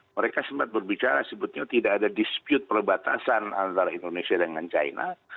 mereka sempat berbicara sebetulnya tidak ada dispute perbatasan antara indonesia dengan china